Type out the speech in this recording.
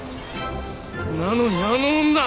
なのにあの女！